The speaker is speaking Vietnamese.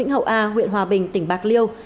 hậu a huyện hòa bình tỉnh bạc liêu